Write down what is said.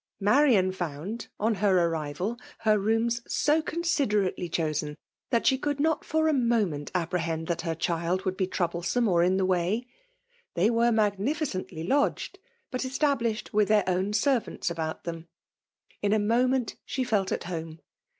Marian found, on ber arrival, her t^m&B M> cctMiderately chosen, that she couIA Mt for a moment apprehend that her child would ht troublesome or in the way: — they vme«agDifi<!etttly lodged, but established mth their ^wn servants about them. In a moment she Iblt at home.